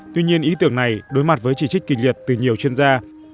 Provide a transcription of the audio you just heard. tuy nhiên ý tưởng này đối mặt với chỉ trích kịch liệt từ nhiều chuyên gia